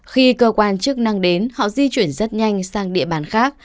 khi cơ quan chức năng đến họ di chuyển rất nhanh sang địa bàn khác